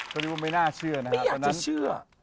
คือว่าไม่น่าเชื่อนะครับ